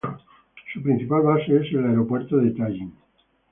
Su principal base es el Aeropuerto de Tallin.